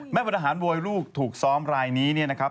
แม่พันธหารโวยลูกถูกซ้อมรายนี้นะครับ